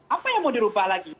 apa yang mau dirubah lagi